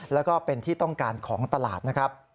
แล้วก็เป็นที่ต้องการของตลาดนะครับ